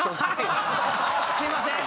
すいません。